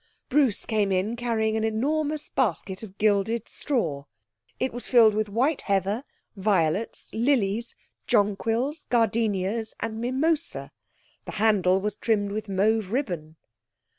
Bruce came in carrying an enormous basket of gilded straw. It was filled with white heather, violets, lilies, jonquils, gardenias and mimosa. The handle was trimmed with mauve ribbon.